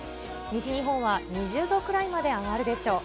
西日本は２０度くらいまで上がるでしょう。